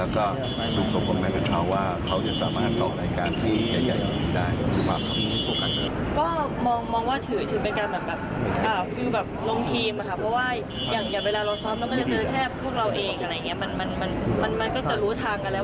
ก็มองว่าถือว่าเป็นการลงทีมเพราะว่าอย่างเวลาเราซ้อมแล้วก็จะเจอแทบพวกเราเองมันก็จะรู้ทางกันแล้ว